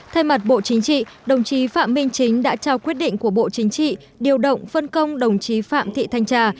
thay mặt bộ chính trị đồng chí phạm minh chính đã trao quyết định của bộ chính trị điều động phân công đồng chí phạm thị thanh trà